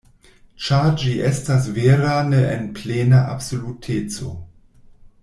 Ĉar ĝi estas vera ne en plena absoluteco.